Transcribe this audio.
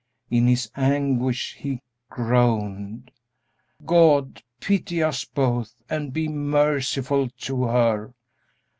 In his anguish he groaned, "God pity us both and be merciful to her!"